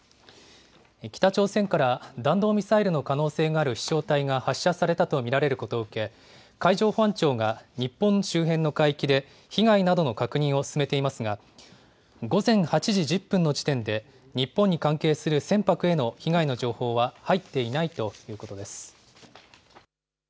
北朝鮮から弾道ミサイルの可能性がある飛しょう体が発射されたと見られることを受け、海上保安庁が日本周辺の海域で被害などの確認を進めていますが、午前８時１０分の時点で日本に関係する船舶への被害の情報は入っていないということです。